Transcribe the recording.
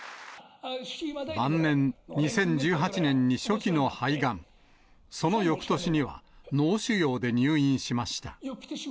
晩年、２０１８年に初期の肺がん、そのよくとしには脳腫瘍で入院しました。